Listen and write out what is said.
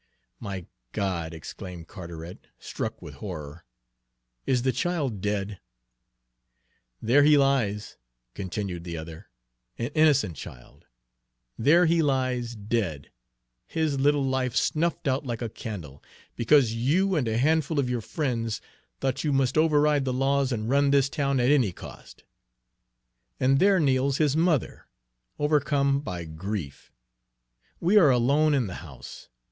"My God!" exclaimed Carteret, struck with horror. "Is the child dead?" "There he lies," continued the other, "an innocent child, there he lies dead, his little life snuffed out like a candle, because you and a handful of your friends thought you must override the laws and run this town at any cost! and there kneels his mother, overcome by grief. We are alone in the house.